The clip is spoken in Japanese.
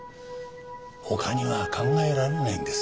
他には考えられないんです。